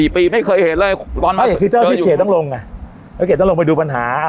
๔ปีไม่เคยเห็นเลยคือเจ้าที่เขียนต้องลงอ่ะต้องลงไปดูปัญหาอ่ะ